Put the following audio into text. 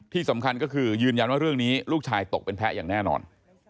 ที่สำคัญก็คือยืนยันว่าเรื่องนี้ลูกชายตกเป็นแพ้อย่างแน่นอน